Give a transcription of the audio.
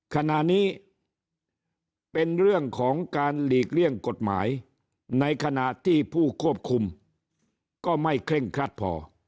ขณะนี้เป็นเรื่องของการหลีกเลี่ยงกฎหมายในขณะที่ผู้ควบคุมก็ไม่เคร่งครัดพอ